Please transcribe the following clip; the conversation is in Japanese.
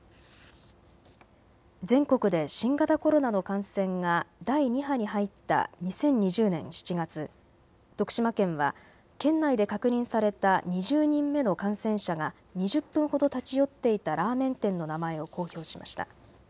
全国で新型コロナの感染が第２波に入った２０２０年７月、徳島県は県内で確認された２０人目の感染者が２０分ほど立ち寄っていたラーメン店の名前を公表しました。